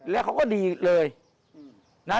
แล้วเขาก็ดีเลยนะ